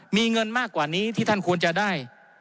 มีเงินมากกว่านี้ที่ท่านควรจะได้